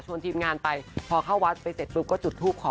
ทีมงานไปพอเข้าวัดไปเสร็จปุ๊บก็จุดทูปขอ